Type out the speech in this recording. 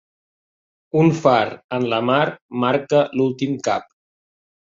Un far en la mar marca l'últim cap.